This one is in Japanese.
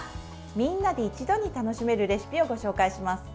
みんなで一度に楽しめるレシピをご紹介します。